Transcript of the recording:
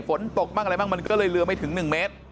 ฝนตกบ้างอะไรบ้างมันก็เลยเรือไม่ถึง๑เมตร